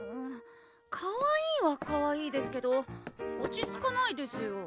かわいいはかわいいですけど落ち着かないですよ